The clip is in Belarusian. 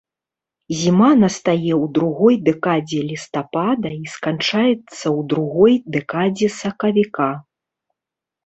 Зіма настае ў другой дэкадзе лістапада і сканчаецца ў другой дэкадзе сакавіка.